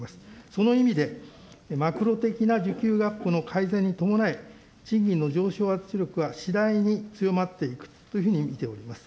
その意味で、マクロ的な需給が改善に伴い、賃金の上昇圧力は次第に強まっていくというふうに見ております。